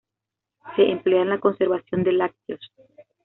Se emplea en la conservación de lácteos.